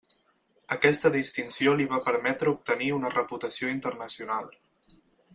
Aquesta distinció li va permetre obtenir una reputació internacional.